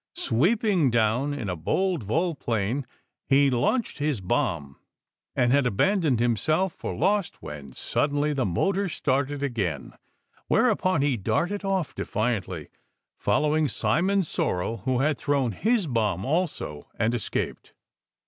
Sweeping down in a bold SECRET HISTORY volplane he launched his bomb, and had abandoned him self for lost when suddenly the motor started again; where upon he darted off defiantly, following Simon Sorel, who had thrown his bomb also, and escaped.